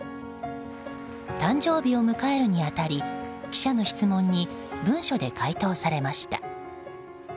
誕生日を迎えるに当たり記者の質問に文書で回答されました。